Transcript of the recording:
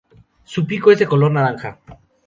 Su pico es de color naranja.